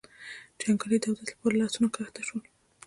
جنګيالي د اوداسه له پاره له آسونو کښته شول.